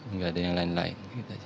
nggak ada yang lain lain